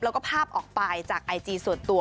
แล้วก็ภาพออกไปจากไอจีส่วนตัว